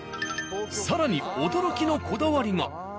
更に驚きのこだわりが。